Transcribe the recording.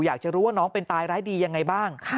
อยากจะรู้ว่าน้องเป็นตายร้ายดียังไงบ้าง